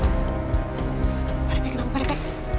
pak retek kenapa pak retek